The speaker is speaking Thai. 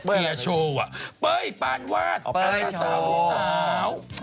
เปลี่ยปานวาดเปลี่ยสาว